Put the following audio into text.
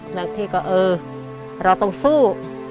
หน้าที่ก็เออเราต้องสู้